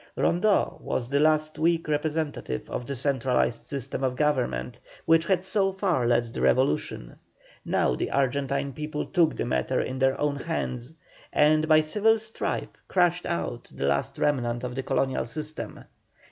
Rondeau was the last weak representative of the centralized system of government, which had so far led the revolution; now the Argentine people took the matter into their own hands, and by civil strife crushed out the last remnant of the colonial system.